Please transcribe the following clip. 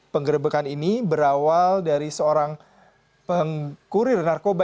penggerebekan ini berawal dari seorang pengkurir narkoba